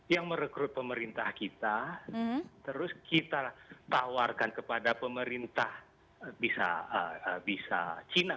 yang merekrut pemerintah kita terus kita tawarkan kepada pemerintah bisa china